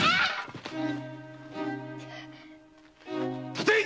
立てい！